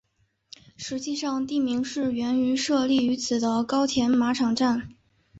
实际上地名是源自于设立于此的高田马场站。